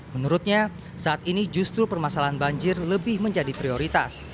menurutnya saat ini justru permasalahan banjir lebih menjadi prioritas